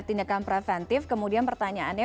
tindakan preventif kemudian pertanyaannya